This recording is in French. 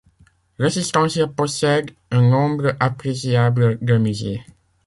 Resistencia possède un nombre appréciable de musées.